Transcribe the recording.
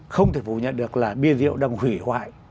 không thể phủ nhận được là bia rượu đang hủy hoại